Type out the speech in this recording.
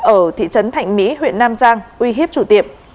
ở thị trấn thạnh mỹ huyện nam giang uy hiếp chủ tiệm